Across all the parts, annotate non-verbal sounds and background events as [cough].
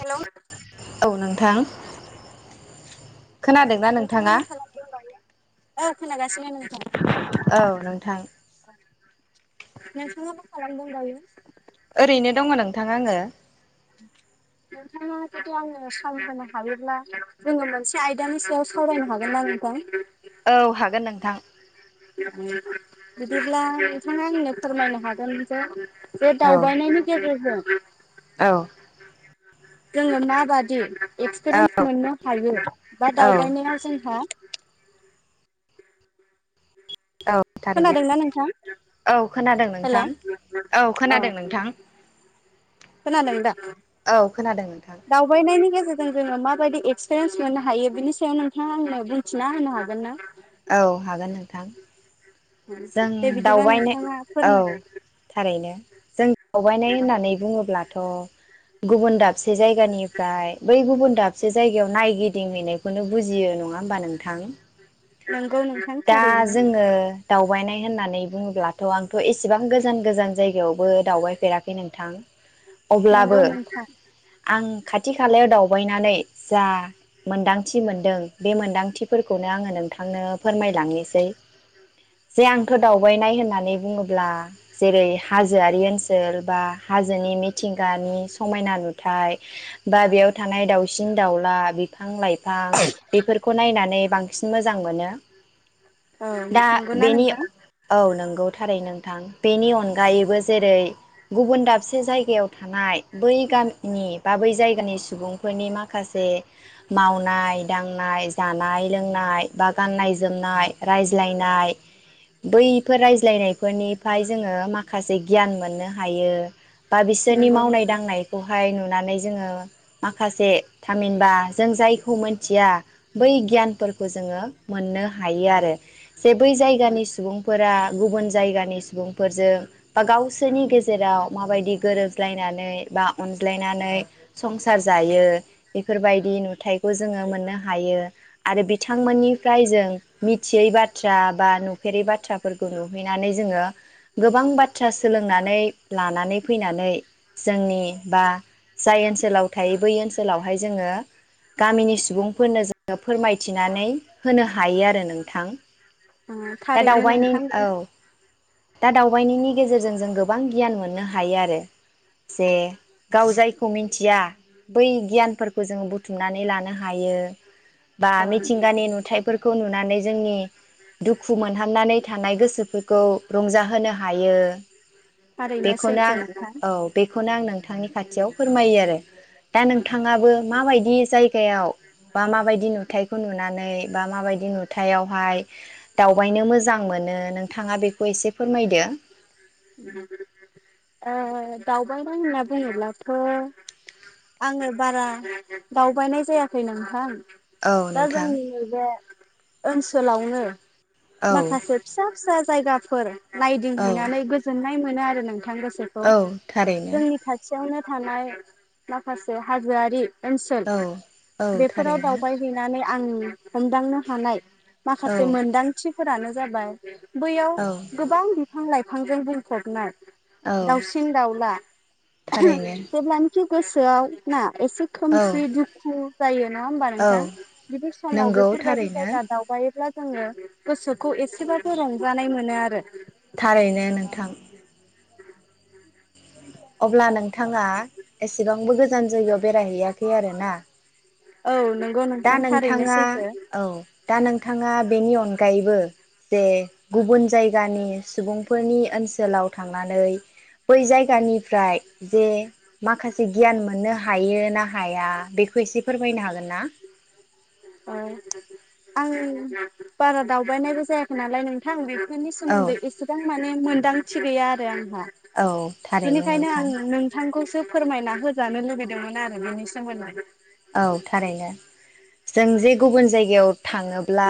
Hello औ नोंथां औ नोंथाङा खालामदो दायो औ खोनागा सानो नोंथां । औ नोंथां नोंथाङा मा खालामदों दायो? ओरैनो दङ नोंथां आङो नोंथाङा जुदि आंनो सम होनो हायोब्ला जोङो मोनसे आयदानि सायाव सावरायनो हागोन ना नोंथां । औ हागोन नोंथां बिदिब्ला नोंथाङा आंनो फोरमायनो हागोन जे बे औ दावबायनायनि गेजेरजों औ जोङो माबादि एक्सपिरियेन्स मोननो हायो बा औ दावबायनाया जोंहा औ थारैनो खोनादोंना नोंथां? औ खोनादों हेलौ नोंथां औ अ खोनादों नोंथां खोनादों दा? औ खोनादों नोंथां जों जोङो माबायदि एक्सपिरियेन्स मोननो हायो बिनि सायाव नोंथाङा आंनो बुंथिना होनो हागोन ना औ हागोन नोंथां जों दे बिदिबा दावबायनाय नोंथाङा औ फोरमाय थारैनो जों दावबायनाय होननानै बुङोब्लाथ' गुबुन दाबसे जायगानिफ्राय बै गुबुन दाबसे जायगायाव नायगिदिंहैनायखौनो बुजियो नङा होमबा नोंथां । नों दा जोङो दावबायनाय होननानै बुङोब्लाथ' आंथ' एसेबां गोजान गोजान जायगायावबो दावबायफेराखै नोंथां । नंगौ अब्लाबो नोंथां आं खाथि खालायाव दावबायनानै जा मोनदांथि मोनदों बे मोनदांथिफोरखौनो आङो नोंथांनो फोरमायलांनोसै जे आंथ' दावबायनाय होननानै बुङोब्ला जेरै हाजोआरि ओनसोल बा हाजोनि मिथिंगानि समायना नुथाय बा बेयाव थानाय दाउसिन दाउला बिफां लाइफां बेफोरखौ नायनानै बांसिन मोजां मोनो औ दा नंगौना बेनि नोंथां औ नंगौ थारैनो थां । बेनि अनगायैबो जेरै गुबुन दाबसे जायगायाव थानाय बै गामिनि बा बै जायगानि सुबुंफोरनि माखासे मावनाय दांनाय जानाय लोंनाय बा गाननाय जो मनाय रायज्लायनाय बैफोर रायज्लायनायफोरनिफ्राय जोङो माखासे गियान मोननो हायो । बा बिसोरनि नंगौ मावनाय नोंथां दांनायखौ फाय नुनानै जोङो माखासे थामहिनबा जों जायखौ मोनथिया बै गियानफोरखौ जोङो मोननो हा हायो आरो । जे बै जायगानि सुबुंफोरा गुबुन जायगानि सुबुंफोरजों बा गावसोरनि गेजेराव माबायदि गोरोबज्लायनानै बा अनज्लायनानै संसार जायो बेफोरबायदि नुथखौ जोङो मोननो हायो आरो बिथांमोननिफ्राय जों मिथियै बाथ्रा बा नुफेरै बाथ्राफोरखौ नुहैनानै जोङो गोबां बाथ्रा सोलोंनानै लानानै फैनानै जोंनि बा जाय ओनसोलाव थायो बै ओनसोलावहाय जोङो गामिनि सुबुंफोरनो जोङो फोरमायथिनानै होनो हायो। नोंथां ओ दा थारैनो दावबायन नोंथां औ। दा दावबायनायनि गेजेरजों जों गोबां गियान मोननो हायो आरो जे गाव जायखौ मिथिया बै गियानफोरखौ जोङो बुथुमनानै लानो। हायो बा औ मिथिगानि नुथाइफोरखौ नुनानै जोंनि दुखु मोनहाबनानै थानाय गोसोफोरखौ रंजाहोनो हायो थारैनो बेखौनो सैथो आं नोंथां औ बेखौनो आं नों नोंथांनि खाथियाव फोरमायो आरो दा नोंथाङाबो माबायद दि जायगायाव बा माबायदि नुथायाइखौ नुनानै बा माबायदि नु हथायावहाय दावबायनो मोजां मोनो नोंथाङा बेखौ एसे फोरमायदो। दावबायनाय होनना बुङोब्लाथ' आङो बारा दावबायनाय जायाखै नोंथां‌। औ दा नोंथां जांनिनि बे ओनसोलावनो औ माखासे फिसा फिसा जायगाफोर। औ नायदिंहैनानै। गोजोननाय मोनो नोंथां। गोसोखौ औ थारैनो जोंनि खाथियावनो। थानाय माखासे हाजोआरि। ओनसोल औ औ बेफोराव थारैनो दावबायहैनानै। आं। हमदांनो हानाय माखासे औ मोनदांथि। फोरानो जाबाय। बैयाव औ गोबां बिफां लाइफां। [inaudible] बुंफबनाय। औ दावसि दावला थारैनो जेब्लानाखि। गोसोआव ना। एसे औ खोमसि दुखु जायो नङा होमबा औ नोंथां बिदि समाव नंगौ बेफोरबायदि थारैनो जायगा दावबायोब्ला। जोङो गोसोखौ। खौ एसेबाबो रंजानाय मोनो आरो। [inaudible] थारैनो नोंथां [inaudible] अब्ला नोंथाङा एसेबांबो गोजान जायगायाव बेरायहैयाखै आरोना। औ नों दा नोंथाङा औ दा नोंथाङा बेनि अनगा अनगायैबो जे गुबुन जायगानि सुबुंफोरनि ओनसोलाव थांनानै बै जायगानिफ्राय जे माखासे गियान मोननो हायोना हाया बेखौ एसे फोरमायनो हागोनना ओ आं बारा दावबायनायबो जायाखै नालाय नोंथां बि बिफोरनि औ सोमोनदै इसेबां मा माने मोनदांथि गैया आरो आं औ थारैनो बिनिखायनो नोंथां आं नोंथांखौ फोरमायना होजानो लुबैदोंमोन आरो बिनि सोमोन्दै औ थारैनो जों जे गुबुन जायगायाव थाङोब्ला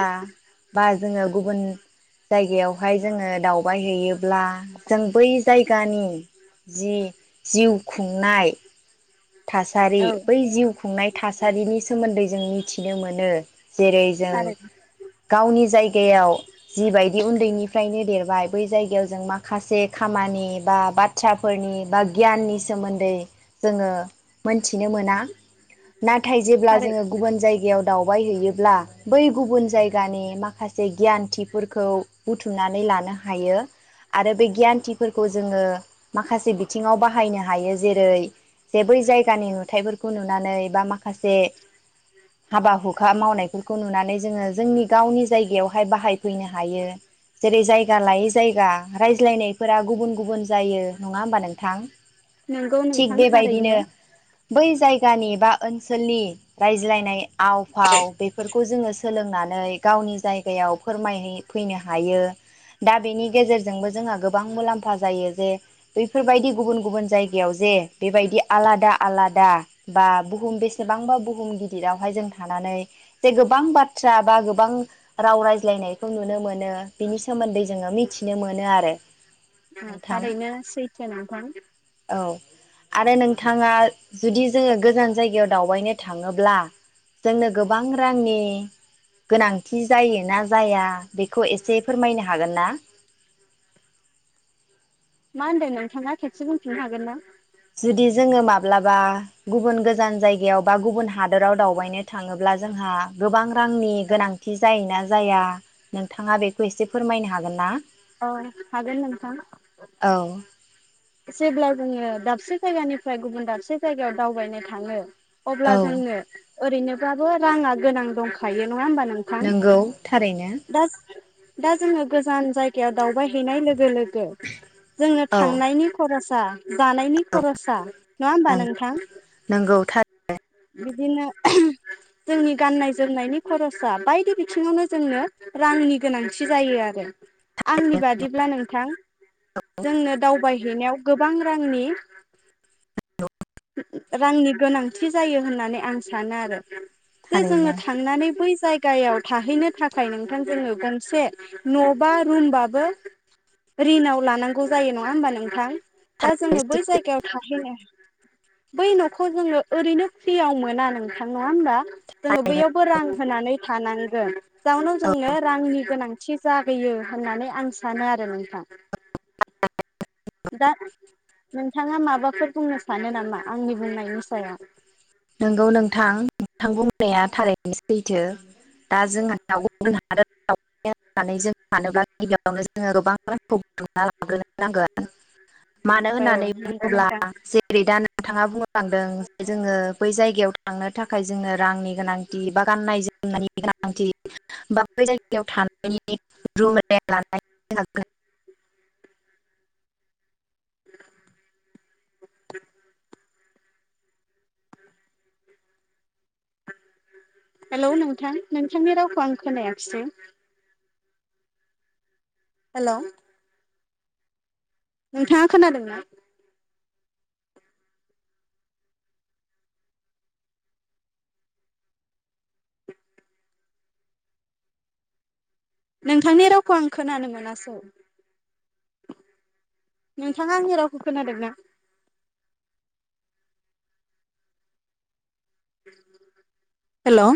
बा जोङो गुबुन जायगायावहाय जोङो दावबायहैयोब्ला जों बै जायगानि जि जिउ खुंनाय थासारि औ बै जिउ खुंनाय थासारिनि सोमोन्दै जों मिथिनो मोनो जेरै जों थारैनो गावनि जायगा जायगायाव जिबायदि उन्दैनिफ्रायनो देरबाय बै जायगायाव जों माखासे खामानि बा बाथ्रा फोरनि बा गियाननि सोन्दै दै जोङो मोनथिनो मोना नाथाय जेब्ला थारै जोङो गुबुन जायगायाव दाव दालबाय हैयोब्ला बै गुबुन जायगानि माखासे गियानथिफोरखौ बुथुमननै लानो हायो आरो बे गियानथि फोरखौ जोङो माखासे बिथिङाव जोङो बाहायनो हायो जेरै जे बै जायगानि नुथायफोरखौ नुनानै बा माखासे हाबा हुखा मावनायफोरखौ नुनानै जोङो जोंनि गावनि जायगायावहाय बाहायफैनो हायो जेरै जायगा लायै जायगा रायज्लायनायफोरा गुबुन गुबुन जायो नङा होनबा नोंथां नंगौ थिख नोंथां बेबादिनो थारैनो बिदिनो बै जायगानि एबा ओनसोलनि रायज्लायनाय आव फाव बेफोरखौ जोङो सोलोंनानै गावनि जायगायाव फोरमायहै फैनो हायो दा बेनि गेजेरजोंबो जोंहा गोबां मुलाम्फा जायो जे बैफोरबादि गुबुन गुबुन जायगायावजे बेबायदि आलादा आलादा बा बुहुम बेसेबांबा बुहुम गिदिरावहाय जों थानानै जे गोबां बाथ्रा बा गोबां राव रायज्लायनायखौ नुनो मोनो बेनि सोमोनदै मिथिनो मोनो आरो नोंथां थारैनो सैथो नोंथां आरो नों नोंथांङा जुदि जोङो गोजान जायगायाव दावबायनो थाङोब्ला जोंनो गोबां रांनि गोंनांथि जायो ना जाया बेखौ एसे फोरमायनो हागोना मा होनदों नोंथाङा खेबसे बुंफिननो हागोन ना जुदि जोङो माब्लाबा गुबुन गोजान जायगायाव बा गुबुन हादराव दावबायनो थाङोब्ला जोंहा गोबां रांनि गोनांथि जायोना जाया नोंथाङा बेखौ एसे फोरमायनो हागोन ना औ हागोन नोंथां औ जेब्ला जोङो दाबसे जायगानिफ्राय गुबुन दाबसे जायगायाव दावबायनो थाङो अब्ला औ जोंनो ओरैनोबाबो राङा गोनां दंखायो नङा होमबान। नोंगौ थारैनो। दा जोङो गोजान जायगायाव दावबाय हैैनाय लोगो लोगो। जोंनो औ थांनायनि गोसा जानायनि खरसा नङा होमबा। नोंगौ बिदिनो जोंनि गाननाय जोमनायनि खरसा बायदि बिथिङावनो जोंनो रांनि गोनांथि जायो आरो। आंनि बादिब्ला नोंथां जोंनो दावबाय। हैनायाव गोबां रांनि रांनि गोनां थि जायो होननानै आं सानो आरो जे जोङो थारैनो थांनानै। गायाव थाहैनो थाखाय नोंथां जोङो गंसे दा जोङो बैय थारैनो जायगायाव थाहैनो बै न'खौ जोङो ओरैनो फ्रियाव मोना नोंथां नङा होमबा जोङो बैयावबो रां होनानै थानानै [unintelligible] जाउनाव औ जोंनो रांनि गोनां थि जाबोयो होननानै आं सानो आरो नोंथां दा नोंथाङा माबाफोर बुंनो सानो नामा आंनि बुंनायनि सायाव नंगौ नोंथां नोंथां बुंनाया थारैनो सैथो दा जोंहा [unintelligible] मानो औ होननानै नंगौ बुङोब्ला नोंथां जेरै दा नोंथाङा बुंलांदों जे जोङो बै जायगायाव थांनो थाखाय जोंनो रांनि गोनांथि बा गाननाय जोमनायनि गोनांथि बा बै जायगायाव थानायनि [unintelligible] [unintelligible] हेलौ नोंथां नोंथांनि रावखौ आं खोनायाखिसै हेलौ नोंथाङा खोनादोंना? नोंथांनि रावखौ आं खोनानो मोनासै नोंथाङा आंनि रावखौ खोनादोंना? हेलौ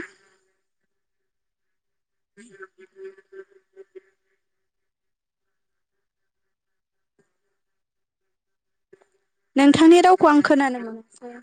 [unintelligible] नोंथांनि रावखौ आं खोनानो मोनासै